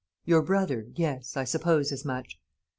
"Your brother; yes, I supposed as much."